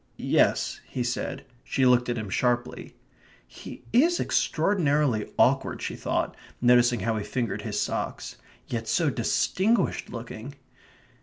"Yes," he said. She looked at him sharply. "He is extraordinarily awkward," she thought, noticing how he fingered his socks. "Yet so distinguished looking."